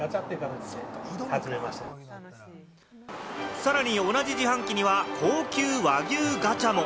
さらに同じ自販機には高級和牛ガチャも。